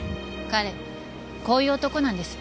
彼こういう男なんです。